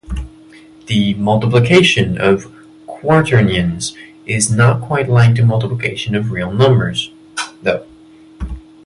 The multiplication of quaternions is not quite like the multiplication of real numbers, though.